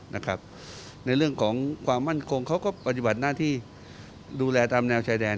ในเรื่องของความมั่นคงเขาก็ปฏิบัติหน้าที่ดูแลตามแนวชายแดน